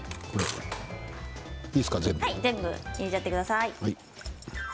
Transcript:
全部入れちゃってください。